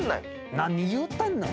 「何言うてんねん」